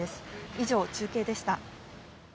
以上、中継でした。